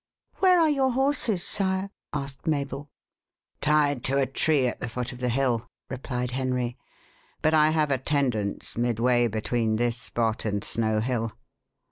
"Where are your horses, sire?" asked Mabel. "Tied to a tree at the foot of the hill," replied Henry. "But I have attendants midway between this spot and Snow Hill."